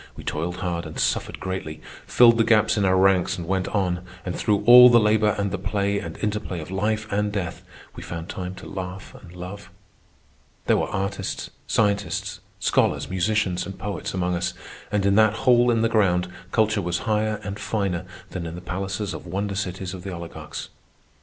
We toiled hard and suffered greatly, filled the gaps in our ranks and went on, and through all the labour and the play and interplay of life and death we found time to laugh and love. There were artists, scientists, scholars, musicians, and poets among us; and in that hole in the ground culture was higher and finer than in the palaces of wonder cities of the oligarchs.